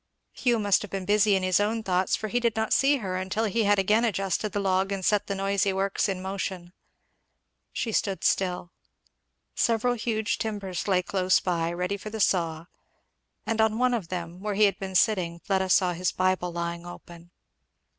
Hugh must have been busy in his own thoughts, for he did not see her until he had again adjusted the log and set the noisy works in motion. She stood still. Several huge timbers lay close by, ready for the saw; and on one of them where he had been sitting Fleda saw his Bible lying open.